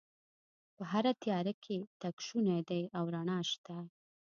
په هره تیاره کې تګ شونی دی او رڼا شته